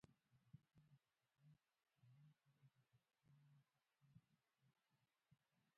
ازادي راډیو د ټولنیز بدلون په اړه د نړیوالو مرستو ارزونه کړې.